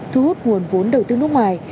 thu hút nguồn vốn đầu tư nước ngoài